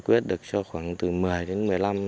quyết được cho khoảng từ một mươi đến một mươi năm